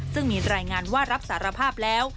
ซึ่งมีรายงานว่ารับสารภาพแล้ว